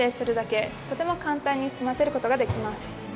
とても簡単に済ませる事ができます。